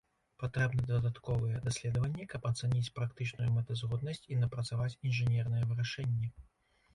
Патрэбны дадатковыя даследванні каб ацаніць практычную мэтазгоднасць і напрацаваць інжынерныя вырашэнні.